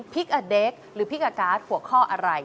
อเด็กหรือพริกกับการ์ดหัวข้ออะไร